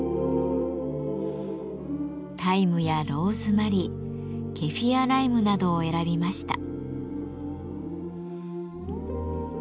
タイムやローズマリーケフィアライムなどを選びました。